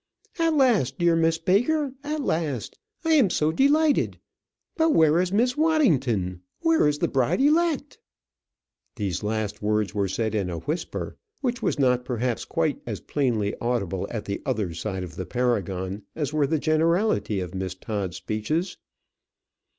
"At last, dear Miss Baker; at last! I am so delighted; but where is Miss Waddington? where is the bride elect?" These last words were said in a whisper which was not perhaps quite as plainly audible at the other side of the Paragon as were the generality of Miss Todd's speeches.